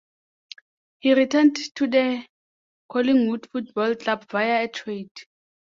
He returned to the Collingwood Football Club via a trade.